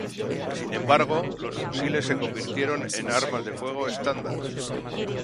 Sin embargo, los fusiles se convirtieron en armas de fuego estándar.